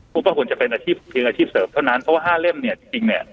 คุณก็ควรจะเป็นอาชีพเพียงอาชีพเสริมเท่านั้นเพราะว่า๕เล่มเนี่ยจริงเนี่ย